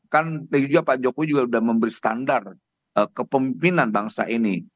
kan begitu juga pak jokowi juga sudah memberi standar kepemimpinan bangsa ini